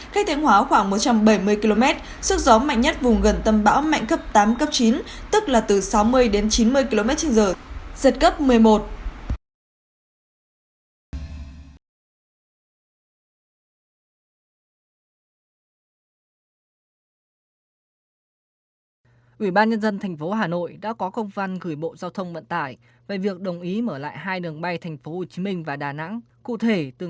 cách thế hóa khoảng một trăm bảy mươi km sức gió mạnh nhất vùng gần tâm bão mạnh cấp tám cấp chín